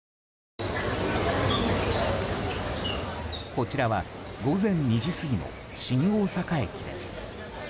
こちらは午前２時過ぎの新大阪駅です。